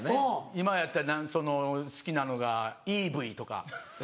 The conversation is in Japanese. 今やったら好きなのがイーブイとか。